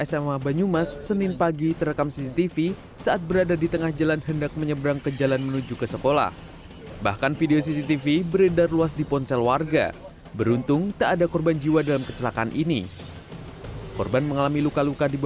sampai jumpa di video selanjutnya